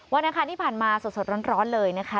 วันนี้ผ่านมาสดร้อนเลยนะคะ